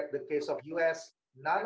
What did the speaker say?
tidak ada yang mengalami